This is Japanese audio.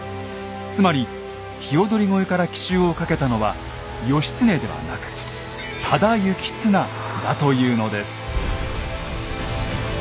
つまり鵯越から奇襲をかけたのは義経ではなく多田行綱だというのです。